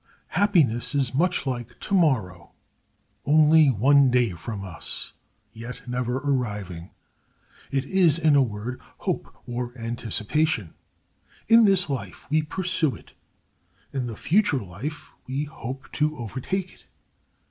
Happiness is much like to morrow—only one day from us, yet never arriving. It is, in a word, hope or anticipation. In this life we pursue it; in the future life we hope to overtake it.